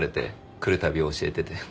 来るたび教えてて。